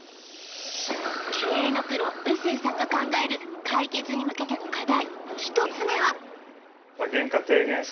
経営のプロ臼井さんが考える解決に向けての課題